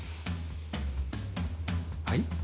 はい？